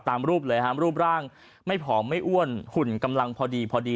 รูปเลยฮะรูปร่างไม่ผอมไม่อ้วนหุ่นกำลังพอดีพอดี